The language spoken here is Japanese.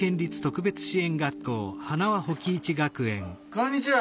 こんにちは。